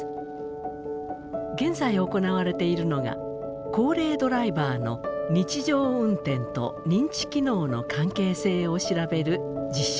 現在行われているのが「高齢ドライバーの日常運転と認知機能の関係性」を調べる実証事業。